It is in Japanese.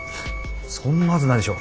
そんなはずないでしょ。